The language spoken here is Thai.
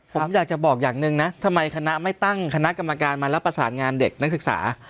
ผมอยากจะบอกอย่างหนึ่งนะทำไมคณะไม่ตั้งคณะกรรมการมารับประสานงานเด็กนักศึกษา